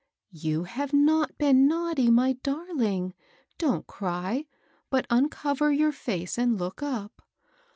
*' You have not been naughty, my darling. Don't cry, but uncover your face, and look up."